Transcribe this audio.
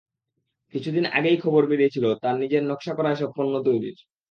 কিছুদিন আগেই খবর বেরিয়েছিল তাঁর নিজের নকশা করা এসব পণ্য তৈরির।